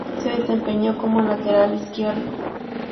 Se desempeñó como lateral izquierdo.